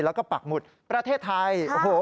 แล้วก็ปักหมุดประเทศไทยโอ้โห